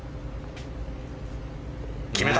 決めた。